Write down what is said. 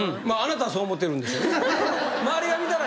まああなたはそう思ってるんでしょうね。